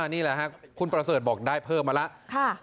นี่แหละครับคุณประเสริฐบอกได้เพิ่มมาแล้ว